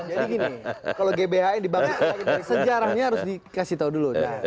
jadi gini kalau gbh yang dibangun sejarahnya harus dikasih tahu dulu